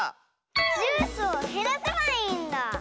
ジュースをへらせばいいんだ！